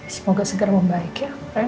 semoga segera membaik ya